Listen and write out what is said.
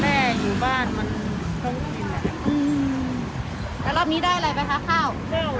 แล้วรอบนี้ได้อะไรไปคะข้าว